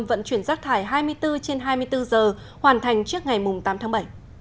vận chuyển rác thải hai mươi bốn trên hai mươi bốn giờ hoàn thành trước ngày tám tháng bảy